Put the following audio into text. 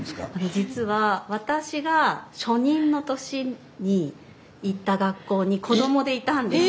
実は私が初任の年に行った学校に子どもでいたんです。